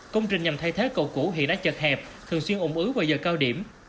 công trình nhằm thay thế cầu cũ hiện đã chật hẹp thường xuyên ủng ứu vào giờ cao điểm